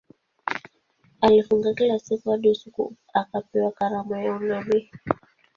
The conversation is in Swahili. Alifunga kila siku hadi usiku akapewa karama ya unabii.